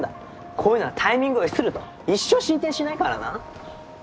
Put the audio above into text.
こういうのはタイミングを逸すると一生進展しないからな。